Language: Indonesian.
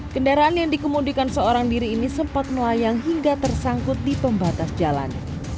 kendaraan yang dikemudikan seorang diri ini sempat melayang hingga tersangkut di pembatas jalan